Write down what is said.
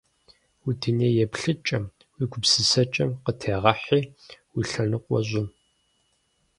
Уи дуней еплъыкӀэм, уи гупсысэкӀэм къытегъэхьи, уи лъэныкъуэ щӀы.